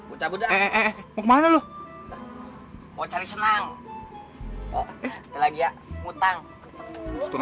udah udah eh mau kemana lu mau cari senang lagi ya utang utang